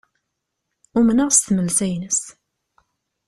Umneɣ s tmelsa-ines.